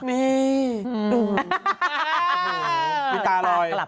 มีตาลอย